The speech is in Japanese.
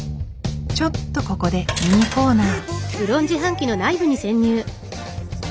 ちょっとここでミニコーナー。